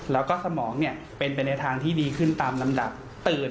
แล้วก็สมองเป็นไปในทางที่ดีขึ้นตามลำดับตื่น